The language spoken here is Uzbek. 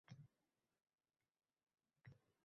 hech kimga alohida imtiyoz, alohida mavqe berilmadi.